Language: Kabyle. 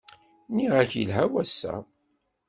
Nniɣ-ak yelha wass-a!